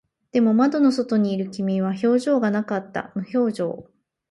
でも、窓の外にいる君は表情がなかった。無表情。